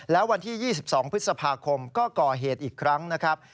แล้ววันที่๒๒พฤษภาคมก็ก่อเหตุอีกครั้งนะครับ